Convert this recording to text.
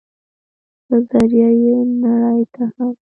په ذريعه ئې نړۍ ته هم